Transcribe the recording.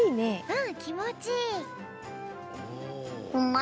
うんきもちいい。